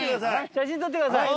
写真撮ってください。